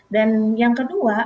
dan yang kedua